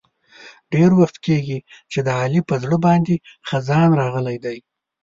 ډېر وخت کېږي چې د علي په زړه باندې خزان راغلی دی.